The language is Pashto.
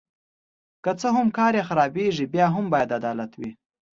که څه هم کار یې خرابیږي بیا هم باید عدالت وي.